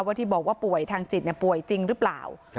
ที่บอกว่าป่วยทางจิตป่วยจริงหรือเปล่า